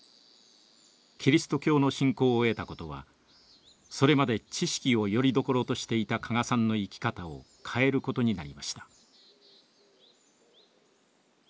キリスト教の信仰を得たことはそれまで知識をよりどころとしていた加賀さんの生き方を変えることになりました。